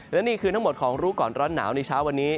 และนี่คือทั้งหมดของรู้ก่อนร้อนหนาวในเช้าวันนี้